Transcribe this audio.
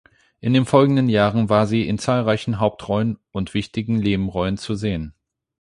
In den folgenden Jahren war sie in zahlreichen Hauptrollen und wichtigen Nebenrollen zu sehen.